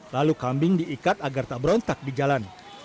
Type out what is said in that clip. lalu kambing diikat agar tak berontak di jalan